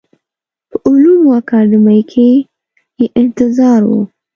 په علومو اکاډمۍ کې یې انتظار و.